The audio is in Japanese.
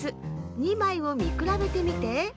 ２まいをみくらべてみて。